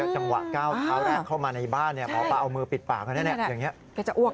จังหวะเก้าเท้าแรกเข้ามาในบ้านหมอปลาเอามือปิดปากแล้วแน่